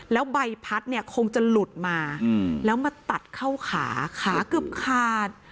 แล้วใบพัดเนี่ยคงจะหลุดมาแล้วมาตัดเข้าขาขาเกือบขาด